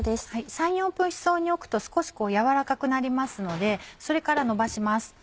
３４分室温に置くと少しやわらかくなりますのでそれからのばします。